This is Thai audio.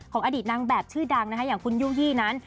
อดีตนางแบบชื่อดังนะคะอย่างคุณยู่ยี่นั้น